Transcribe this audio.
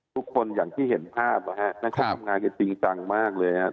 ทุกคนอย่างที่เห็นภาพมาครับในท่วงงานจริงจังมากเลยนะฮะ